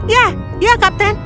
ya ya kapten